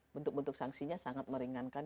bentuk bentuk sanksinya sangat meringankan